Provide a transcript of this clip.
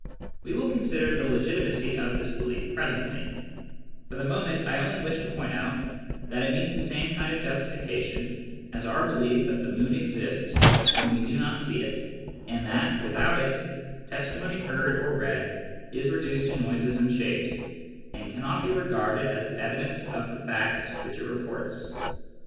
We will consider the legitimacy of this belief presently ; for the moment, I only wish to point out that it needs the same kind of justification as our belief that the moon exists when we do not see it, and that, without it, testimony heard or read is reduced to noises and shapes, and cannot be regarded as evidence of the facts which it reports.